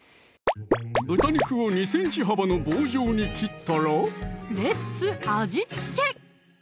豚肉を２ｃｍ幅の棒状に切ったらレッツ味付け！